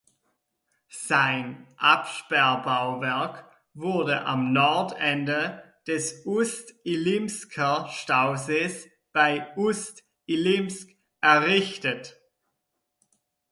Sein Absperrbauwerk wurde am Nordende des Ust-Ilimsker Stausees bei Ust-Ilimsk errichtet.